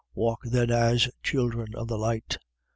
Walk then as children of the light.